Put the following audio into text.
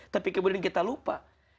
tapi kemudian kita lupa